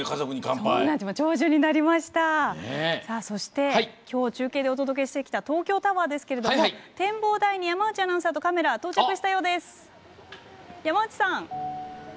そして、きょう中継でお届けしてきた東京タワーですけども展望台に山内アナウンサーとカメラが到着したようです。